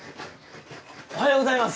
おはようございます